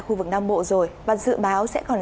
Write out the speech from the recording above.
khu vực nam bộ rồi và dự báo sẽ còn